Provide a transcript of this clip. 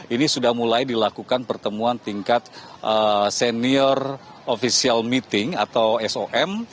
ini sudah mulai dilakukan pertemuan tingkat senior official meeting atau som